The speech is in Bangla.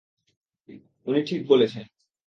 উনি ঠিক বলেছেন!